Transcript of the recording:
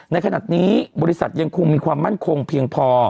ในขณะนี้บริษัทยังคงมีความมั่นคงเพียงพอ